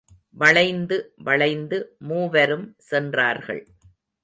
வளைந்து வளைந்து மூவரும் சென்றார்கள்.